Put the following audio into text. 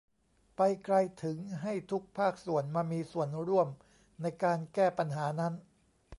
ไปไกลถึงให้ทุกภาคส่วนมามีส่วนร่วมในการแก้ปัญหานั้น